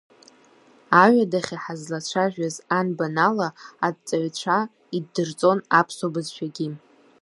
Аҩадахьы ҳазлацәажәаз анбан ала аҵаҩцәа иддырҵон аԥсуа бызшәагьы.